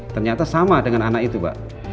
ternyata sama dengan anak itu pak